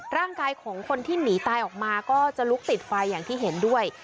ร่างกายของคนที่หนีตายออกมาก็จะลุกติดไฟอย่างที่เห็นด้วย